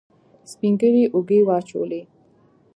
سپينږيري اوږې واچولې.